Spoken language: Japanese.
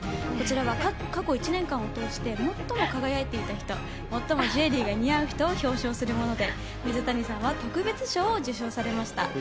こちらは過去１年間を通して最も輝いていた人、最もジュエリーが似合う人を表彰するもので、水谷さんは特別賞を受賞されました。